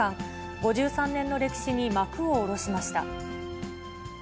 ５３年の歴史に幕を下ろしました。